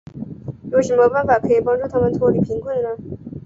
有什么方法可以帮助他们脱离贫穷呢。